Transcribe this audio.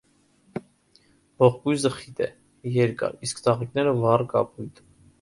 Ողկույզը խիտ է, երկար, իսկ ծաղիկները՝ վառ կապույտ։